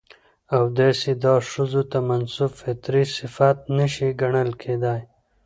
او داسې دا ښځو ته منسوب فطري صفت نه شى ګڼل کېداى.